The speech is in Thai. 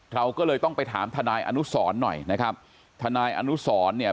เราก็เลยต้องไปถามทนายอนุสรหน่อยนะครับทนายอนุสรเนี่ย